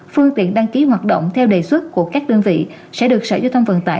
phương tiện đăng ký hoạt động theo đề xuất của các đơn vị sẽ được sở giao thông vận tải